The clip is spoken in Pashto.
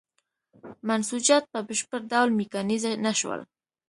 منسوجات په بشپړ ډول میکانیزه نه شول.